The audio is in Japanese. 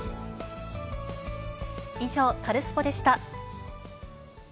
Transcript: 以上、カルスポっ！でした。